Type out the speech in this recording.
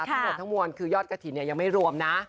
ทั้งหมดทั้งมวลคือยอดกระถิ่นยังไม่รวมนะ